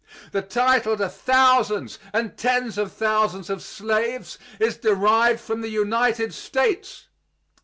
The title to thousands and tens of thousands of slaves is derived from the United States.